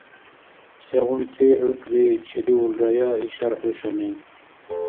Сегъунти хӀуркӀби чедиулрая ишар хӀушани?